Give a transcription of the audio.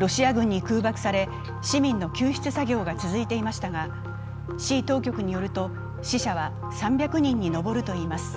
ロシア軍に空爆され、市民の救出作業が続いていましたが市当局によると、死者は３００人に上るといいます。